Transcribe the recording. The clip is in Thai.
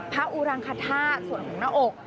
พระอุรังคาธาส่วนของหน้าอก